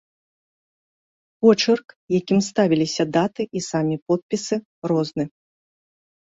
Почырк, якім ставіліся даты і самі подпісы, розны.